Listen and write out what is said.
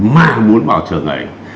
mà muốn vào trường này